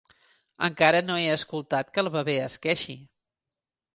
Encara no he escoltat que el bebè es queixi.